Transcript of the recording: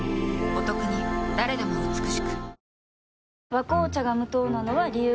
「和紅茶」が無糖なのは、理由があるんよ。